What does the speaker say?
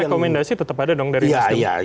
tapi rekomendasi tetap ada dong dari mas yudi